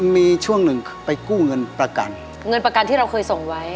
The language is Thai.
มีช่วงหนึ่งไปกู้เงินประกันเงินประกันที่เราเคยส่งไว้